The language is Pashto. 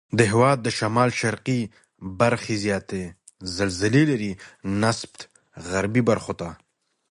د هېواد شمال شرقي برخې زیاتې زلزلې لري نسبت غربي برخو ته.